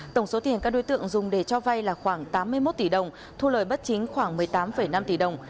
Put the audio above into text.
tổng số tiền các đối tượng dùng để cho vay là khoảng tám mươi một tỷ đồng thu lời bất chính khoảng một mươi tám năm tỷ đồng